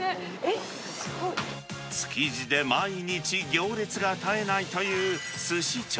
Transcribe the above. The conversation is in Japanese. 築地で毎日、行列が絶えないというすし兆。